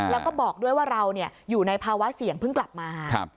แล้วก็บอกด้วยว่าเราอยู่ในภาวะเสี่ยงเพิ่งกลับมา